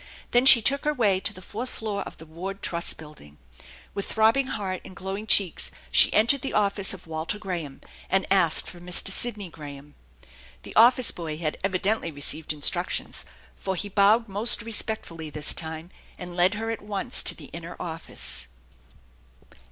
Then she took her way to the fourth floor of the Ward Trust Building. With throbbing heart and glowing cheeks she entered the office of Walter Graham, and asked for Mr. Sidney Graham. The office boy had evidently received instructions, for he bowed most respectfully this time, and led her at once to the inner office.